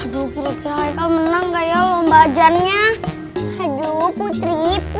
aduh kira kira menang kayak lomba jangnya haduh putri